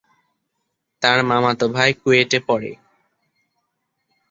তার মামাতো ভাই কুয়েটে পড়ে।